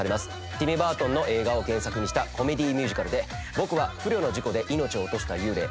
ティム・バートンの映画を原作にしたコメディーミュージカルで僕は不慮の事故で命を落とした幽霊アダムを演じます。